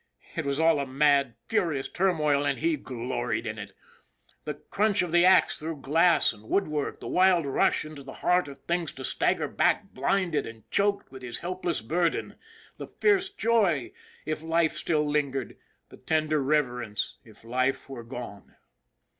It was all a mad, furious turmoil, and he gloried in it. The crunch of the ax through glass and wood work, the wild rush into the heart of things to stagger back blinded and choked with his helpless burden. The fierce joy if life still lingered; the tender reverence if life were gone.